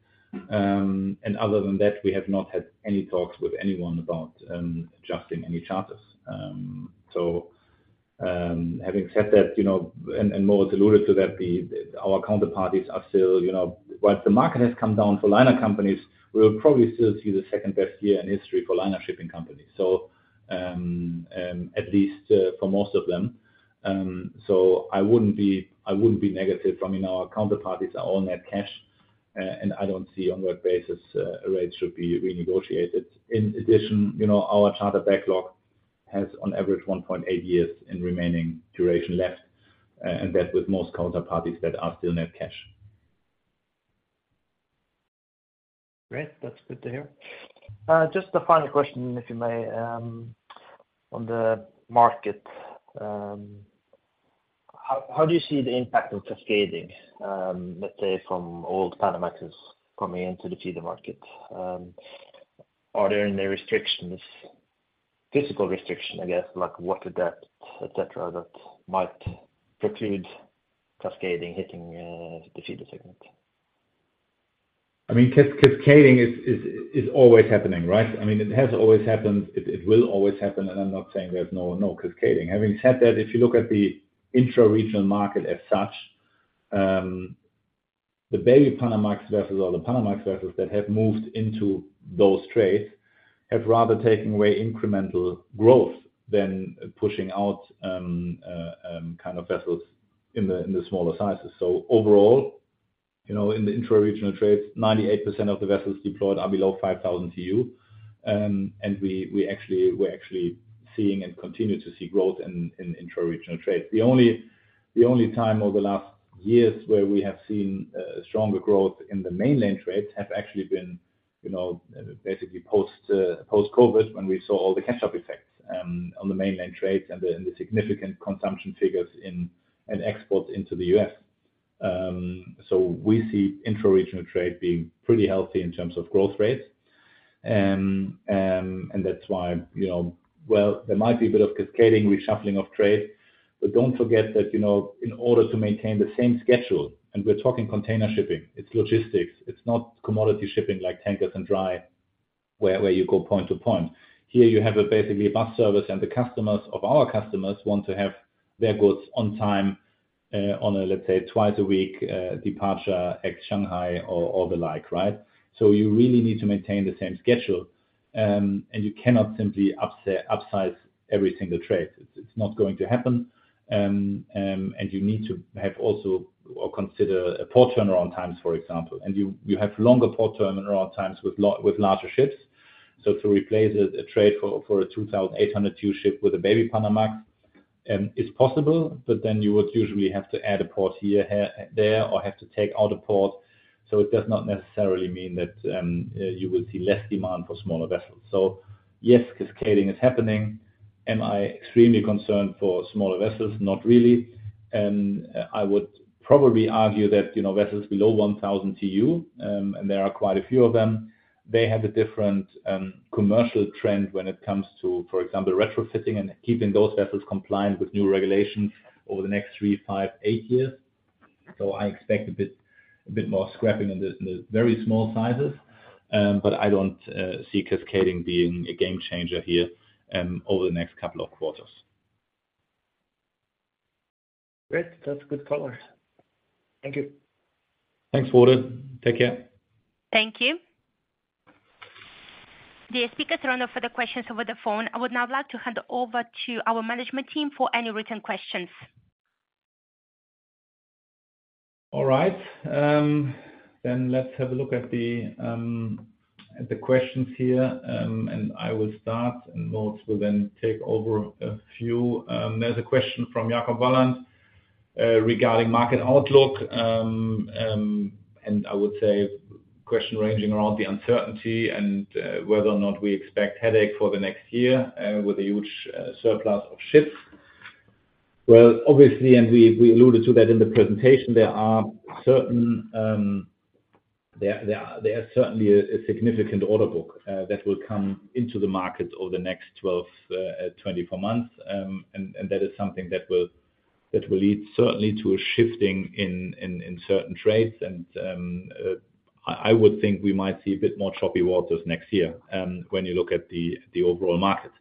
Other than that, we have not had any talks with anyone about adjusting any charters. Having said that, you know, and, and Moritz alluded to that, the, our counterparties are still, you know, while the market has come down for liner companies, we'll probably still see the second best year in history for liner shipping companies. At least for most of them. I wouldn't be, I wouldn't be negative. I mean, our counterparties are all net cash, and I don't see on what basis rates should be renegotiated. In addition, you know, our charter backlog has on average 1.8 years in remaining duration left, and that with most counterparties that are still net cash. Great. That's good to hear. Just a final question, if you may, on the market. How, how do you see the impact of cascading, let's say, from old Panamax coming into the feeder market? Are there any restrictions, physical restriction, I guess, like water depth, et cetera, that might preclude cascading hitting the feeder segment? I mean, cascading is always happening, right? I mean, it has always happened. It, it will always happen, I'm not saying there's no, no cascading. Having said that, if you look at the intra-regional market as such, the Baby Panamax vessels or the Panamax vessels that have moved into those trades have rather taken away incremental growth than pushing out kind of vessels in the, in the smaller sizes. Overall, you know, in the intra-regional trades, 98% of the vessels deployed are below 5,000 TEU. We're actually seeing and continue to see growth in, in intra-regional trade. The only time over the last years where we have seen stronger growth in the mainland trades have actually been, you know, basically post-COVID, when we saw all the catch-up effects on the mainland trades and the significant consumption figures in an export into the U.S. We see intra-regional trade being pretty healthy in terms of growth rates. That's why, you know. Well, there might be a bit of cascading, reshuffling of trade, but don't forget that, you know, in order to maintain the same schedule, and we're talking container shipping, it's logistics. It's not commodity shipping like tankers and dry, where you go point to point. Here you have a basically a bus service, the customers of our customers want to have their goods on time, on a, let's say, twice a week, departure at Shanghai or, or the like, right? You really need to maintain the same schedule, you cannot simply upsize every single trade. It's not going to happen. You need to have also or consider a port turnaround times, for example. You have longer port turnaround times with larger ships. To replace a trade for a 2,800 TEU ship with a baby Panamax is possible, but then you would usually have to add a port here, there, or have to take out a port. It does not necessarily mean that you will see less demand for smaller vessels. Yes, cascading is happening. Am I extremely concerned for smaller vessels? Not really. I would probably argue that, you know, vessels below 1,000 TEU, and there are quite a few of them, they have a different, commercial trend when it comes to, for example, retrofitting and keeping those vessels compliant with new regulations over the next three, five, eight years. I expect a bit, a bit more scrapping in the, the very small sizes, but I don't see cascading being a game changer here, over the next couple of quarters. Great. That's a good color. Thank you. Thanks, Frode. Take care. Thank you. The speakers are done for the questions over the phone. I would now like to hand over to our management team for any written questions. All right. Let's have a look at the questions here, and I will start, and Moritz will then take over a few. There's a question from Jakob Vallant regarding market outlook. I would say question ranging around the uncertainty and whether or not we expect headache for the next year with a huge surplus of ships. Well, obviously, and we, we alluded to that in the presentation, there are certain, there are certainly a significant order book that will come into the market over the next 12, 24 months. That is something that will, that will lead certainly to a shifting in, in, in certain trades. I, I would think we might see a bit more choppy waters next year, when you look at the, the overall market.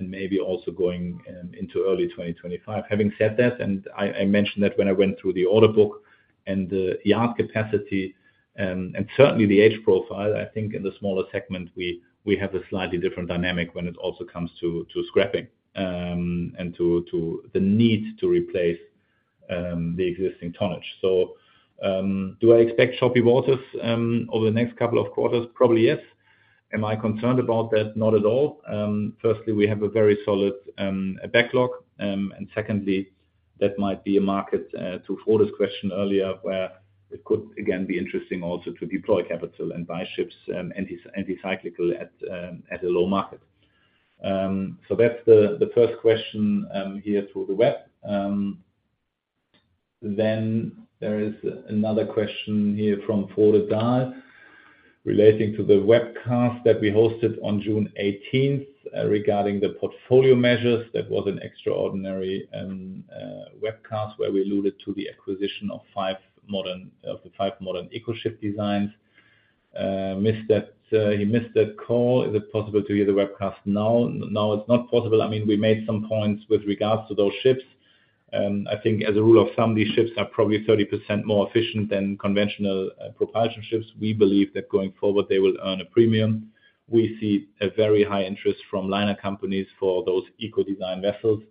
Maybe also going into early 2025. Having said that, and I, I mentioned that when I went through the order book and the yard capacity, and certainly the age profile, I think in the smaller segment, we, we have a slightly different dynamic when it also comes to, to scrapping, and to, to the need to replace the existing tonnage. Do I expect choppy waters over the next couple of quarters? Probably, yes. Am I concerned about that? Not at all. Firstly, we have a very solid backlog, and secondly, that might be a market to follow this question earlier, where it could again, be interesting also to deploy capital and buy ships anticyclical at a low market. So that's the first question here through the web. There is another question here from Frode Mørkedal, relating to the webcast that we hosted on June 18th, regarding the portfolio measures. That was an extraordinary webcast, where we alluded to the acquisition of five modern, of the five modern eco ship designs. Missed that, he missed that call. Is it possible to hear the webcast now? Now, it's not possible. I mean, we made some points with regards to those ships. I think as a rule of thumb, these ships are probably 30% more efficient than conventional propulsion ships. We believe that going forward, they will earn a premium. We see a very high interest from liner companies for those eco-design vessels.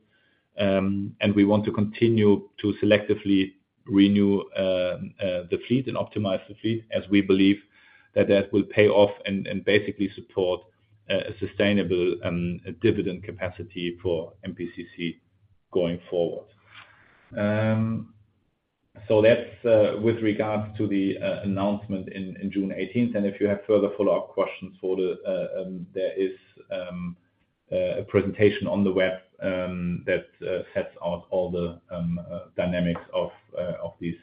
We want to continue to selectively renew the fleet and optimize the fleet, as we believe that that will pay off and, and basically support a sustainable dividend capacity for MPCC going forward. That's with regards to the announcement in June 18th, and if you have further follow-up questions for the, there is a presentation on the web that sets out all the dynamics of these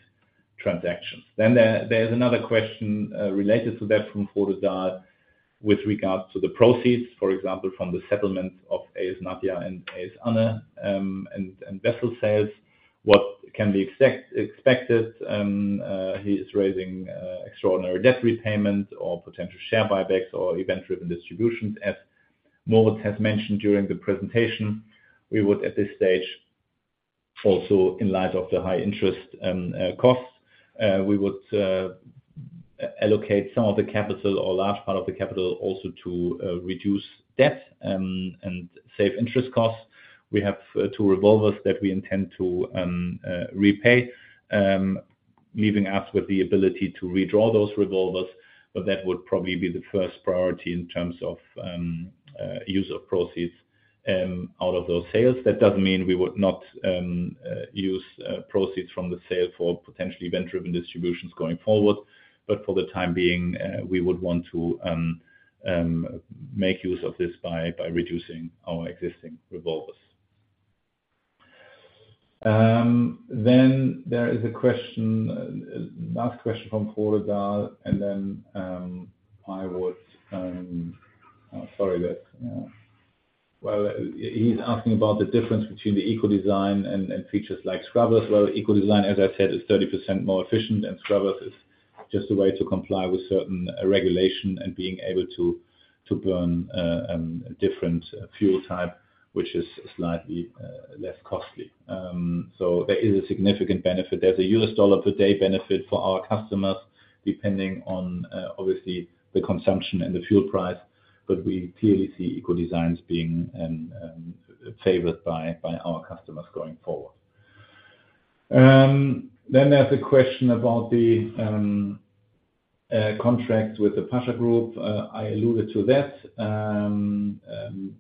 transactions. There is another question related to that from Frode Mørkedal, with regards to the proceeds, for example, from the settlement of AS Nadia and AS Anne, and vessel sales, what can be expected? He is raising extraordinary debt repayment or potential share buybacks or event-driven distributions. As Moritz has mentioned during the presentation, we would at this stage, also in light of the high interest costs, we would allocate some of the capital or large part of the capital also to reduce debt and save interest costs. We have two revolvers that we intend to repay, leaving us with the ability to redraw those revolvers, but that would probably be the first priority in terms of use of proceeds out of those sales. That doesn't mean we would not use proceeds from the sale for potentially event-driven distributions going forward, for the time being, we would want to make use of this by reducing our existing revolvers. There is a question, last question from Frode Mørkedal, then I would... Well, he's asking about the difference between the eco-design and features like scrubbers. Well, eco-design, as I said, is 30% more efficient, scrubbers is just a way to comply with certain regulation and being able to burn a different fuel type, which is slightly less costly. There is a significant benefit. There's a U.S. dollar per day benefit for our customers, depending on, obviously, the consumption and the fuel price, but we clearly see eco-designs being favored by our customers going forward. There's a question about the contract with Pasha Hawaii. I alluded to that.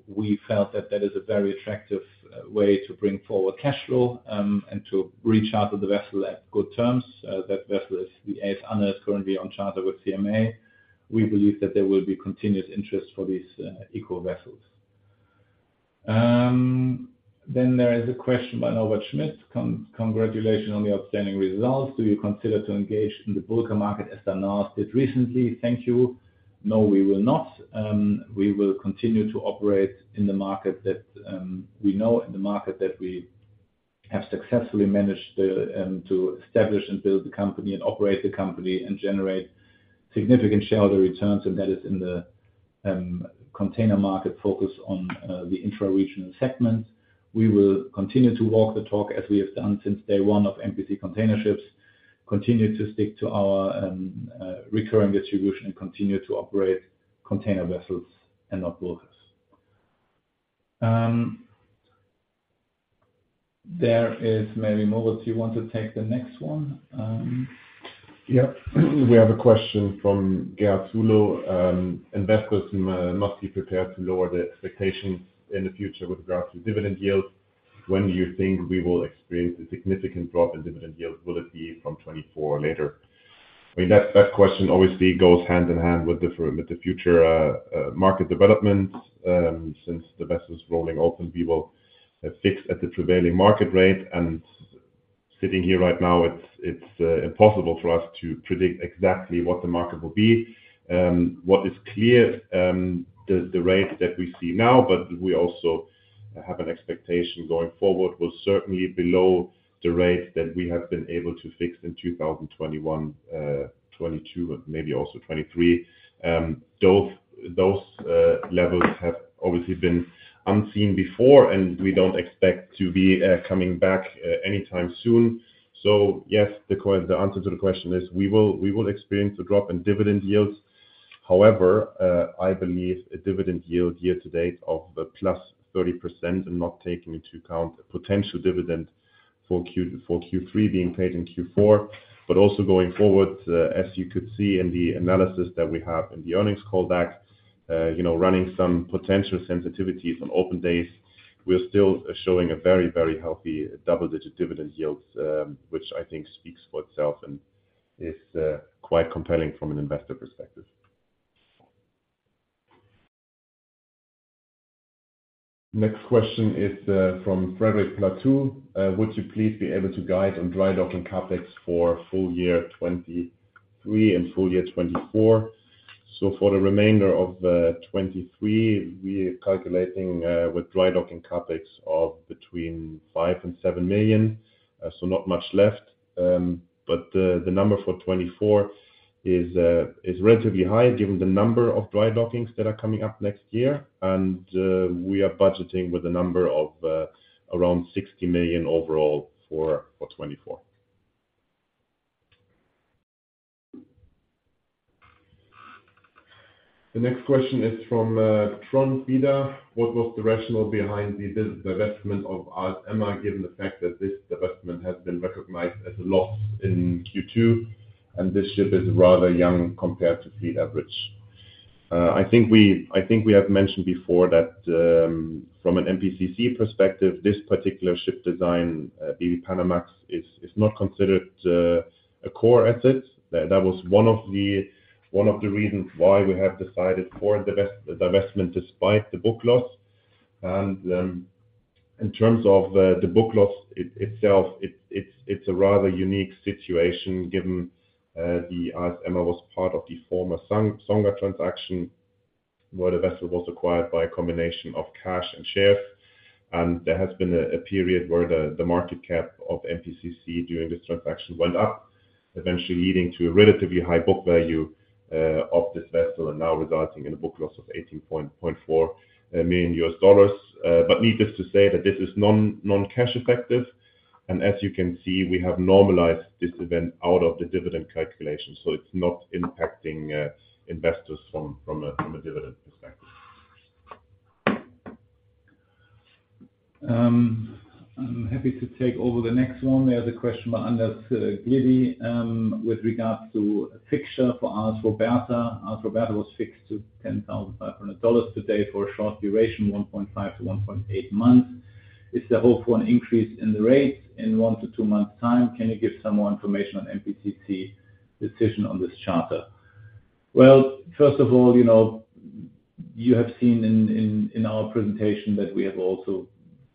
We felt that that is a very attractive way to bring forward cash flow and to reach out to the vessel at good terms. That vessel is the AS Anne, is currently on charter with CMA. We believe that there will be continued interest for these eco vessels. There is a question by Norbert Schmidt. Congratulations on the outstanding results. Do you consider to engage in the bulker market, as announced it recently? Thank you. No, we will not. We will continue to operate in the market that we know, in the market that we have successfully managed to establish and build the company and operate the company, and generate significant shareholder returns, and that is in the container market focused on the intra-regional segment. We will continue to walk the talk as we have done since day one of MPC Container Ships, continue to stick to our recurring distribution, and continue to operate container vessels and not bulkers. There is many, Moritz, you want to take the next one? Yep. We have a question from Garth Tulo. Investors must be prepared to lower their expectations in the future with regards to dividend yield. When do you think we will experience a significant drop in dividend yield? Will it be from 2024 or later? I mean, that, that question obviously goes hand in hand with the future market development. Since the vessel is rolling open, we will fix at the prevailing market rate. Sitting here right now, it's impossible for us to predict exactly what the market will be. What is clear, the rates that we see now, but we also have an expectation going forward, will certainly below the rate that we have been able to fix in 2021, 2022, and maybe also 2023. Those, those levels have obviously been unseen before, and we don't expect to be coming back anytime soon. Yes, the answer to the question is, we will, we will experience a drop in dividend yields. However, I believe a dividend yield year to date of the +30% and not taking into account the potential dividend for Q, for Q3 being paid in Q4, but also going forward, as you could see in the analysis that we have in the earnings call back, you know, running some potential sensitivities on open days, we're still showing a very, very healthy double-digit dividend yields, which I think speaks for itself and is quite compelling from an investor perspective. Next question is from Fredrik Platou. Would you please be able to guide on dry docking CapEx for full year 2023 and full year 2024? For the remainder of 2023, we are calculating with dry docking CapEx of between $5 million and $7 million. Not much left. The number for 2024 is relatively high, given the number of dry dockings that are coming up next year. We are budgeting with a number of around $60 million overall for 2024. The next question is from Trond Fidje. What was the rationale behind the divestment of Emma, given the fact that this divestment has been recognized as a loss in Q2, and this ship is rather young compared to fleet average? I think we, I think we have mentioned before that, from an MPCC perspective, this particular ship design, the Panamax, is, is not considered, a core asset. That was one of the, one of the reasons why we have decided for divestment despite the book loss. In terms of, the book loss itself, it's, it's, it's a rather unique situation, given, the Emma was part of the former Songa transaction, where the vessel was acquired by a combination of cash and shares. There has been a, a period where the, the market cap of MPCC during this transaction went up, eventually leading to a relatively high book value, of this vessel, and now resulting in a book loss of $18.4 million. Needless to say that this is non, non-cash effective, and as you can see, we have normalized this event out of the dividend calculation, so it's not impacting investors from, from a, from a dividend perspective. I'm happy to take over the next one. There's a question by Anders Gedde with regards to a fixture for us, Roberta. Roberta was fixed to $10,500 today for a short duration, 1.5-1.8 months. Is the hope for an increase in the rate in one to two months time? Can you give some more information on MPCC decision on this charter? First of all, you know, you have seen in, in, in our presentation that we have also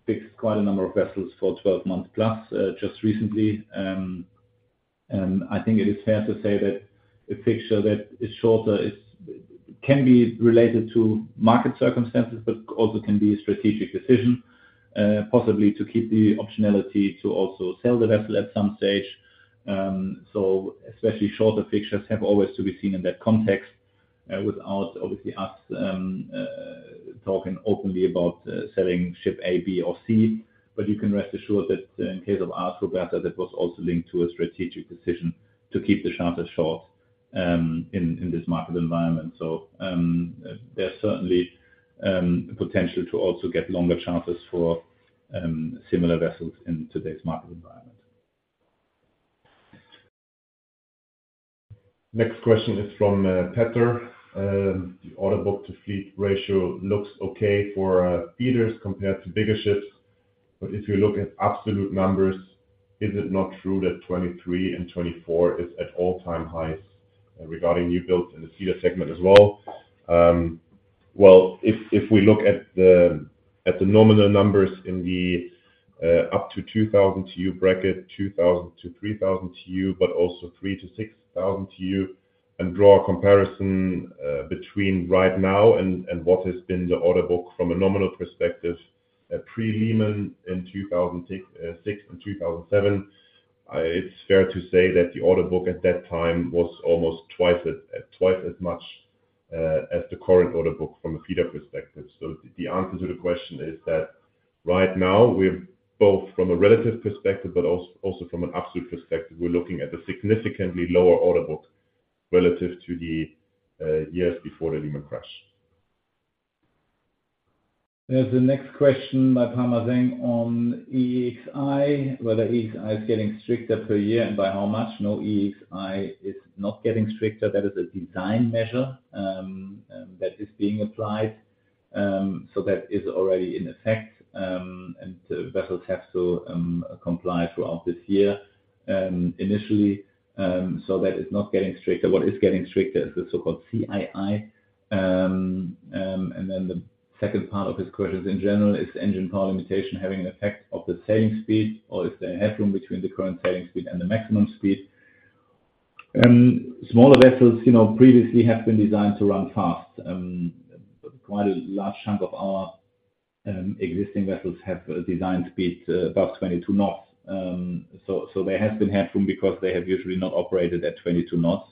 fixed quite a number of vessels for 12 months plus just recently. I think it is fair to say that a fixture that is shorter is, can be related to market circumstances, but also can be a strategic decision, possibly to keep the optionality to also sell the vessel at some stage. Especially shorter fixtures have always to be seen in that context, without obviously us talking openly about selling ship A, B, or C. You can rest assured that in case of AS Roberta, that was also linked to a strategic decision to keep the charter short in this market environment. There's certainly potential to also get longer charters for similar vessels in today's market environment. Next question is from Peter. The orderbook-to-fleet ratio looks okay for feeders compared to bigger ships, but if you look at absolute numbers, is it not true that 23 and 24 is at all time highs regarding new builds in the feeder segment as well? Well, if, if we look at the, at the nominal numbers in the up to 2,000 TEU bracket, 2,000-3,000 TEU, but also 3,000-6,000 TEU, and draw a comparison between right now and, and what has been the order book from a nominal perspective, pre-Lehman Brothers in 2006 and 2007, it's fair to say that the order book at that time was almost twice as, twice as much as the current order book from a feeder perspective. The answer to the question is that right now, we're both from a relative perspective, but also, also from an absolute perspective, we're looking at a significantly lower order book relative to the years before the Lehman crash. There's the next question by Palmer Zhang on EEXI, whether EEXI is getting stricter per year and by how much? No, EEXI is not getting stricter. That is a design measure that is being applied. That is already in effect, and the vessels have to comply throughout this year. That is not getting stricter. What is getting stricter is the so-called CII. The second part of this question is, in general, is the engine power limitation having an effect of the sailing speed, or is there a headroom between the current sailing speed and the maximum speed? Smaller vessels, you know, previously have been designed to run fast. Quite a large chunk of our existing vessels have a design speed above 22 knots. There has been headroom because they have usually not operated at 22 knots,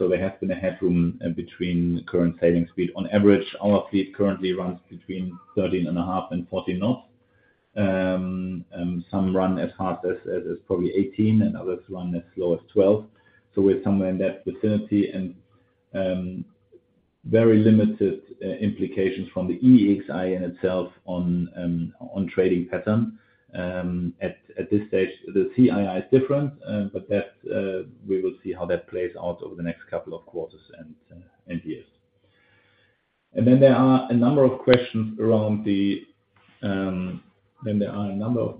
so there has been a headroom between current sailing speed. On average, our fleet currently runs between 13.5 and 14 knots. Some run as hard as 18, and others run as low as 12. We're somewhere in that vicinity, and very limited implications from the EEXI in itself on trading pattern. At this stage, the CII is different, but that we will see how that plays out over the next couple of quarters and years. There are a number of questions around the Panama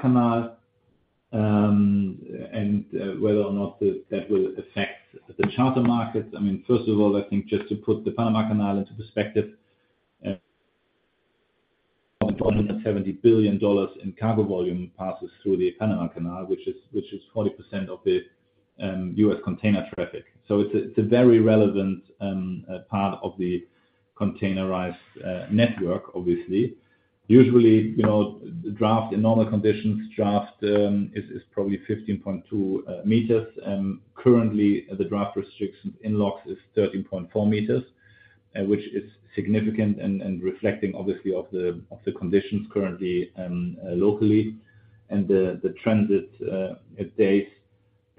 Canal, and whether or not that, that will affect the charter market. I mean, first of all, I think just to put the Panama Canal into perspective, about $170 billion in cargo volume passes through the Panama Canal, which is, which is 40% of the U.S. container traffic. It's a, it's a very relevant part of the containerized network, obviously. Usually, you know, the draft, in normal conditions, draft, is, is probably 15.2 m. Currently, the draft restrictions in locks is 13.4 m, which is significant and, and reflecting obviously of the, of the conditions currently locally. The, the transit days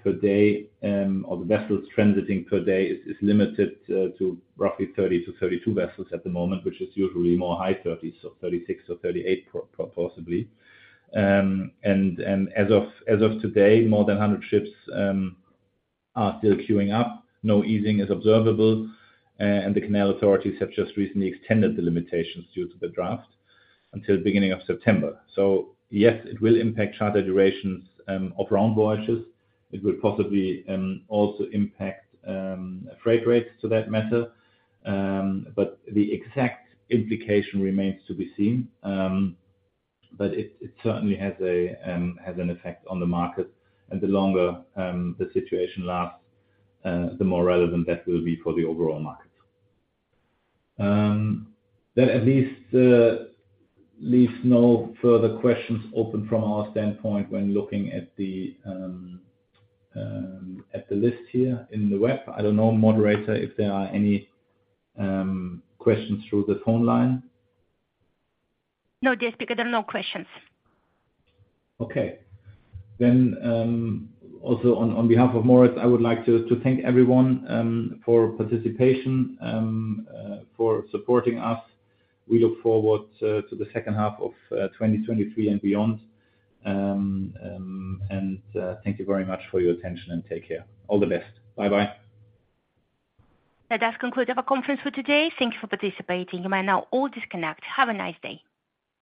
per day, or the vessels transiting per day is, is limited to roughly 30-32 vessels at the moment, which is usually more high 30s, so 36 or 38 possibly. As of, as of today, more than 100 ships are still queuing up. No easing is observable, and the canal authorities have just recently extended the limitations due to the draft until the beginning of September. Yes, it will impact charter durations of round voyages. It will possibly also impact freight rates to that matter. The exact implication remains to be seen. It, it certainly has a has an effect on the market, and the longer the situation lasts, the more relevant that will be for the overall market. At least leaves no further questions open from our standpoint when looking at the at the list here in the web. I don't know, moderator, if there are any questions through the phone line? No, there are no questions. Okay. Also on behalf of Moritz, I would like to thank everyone, for participation, for supporting us. We look forward to the second half of 2023 and beyond. Thank you very much for your attention, and take care. All the best. Bye-bye. That does conclude our conference for today. Thank you for participating. You may now all disconnect. Have a nice day.